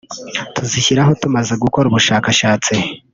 tuzishyiraho tumaze gukora ubushakashatsi